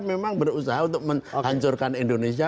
memang berusaha untuk menghancurkan indonesia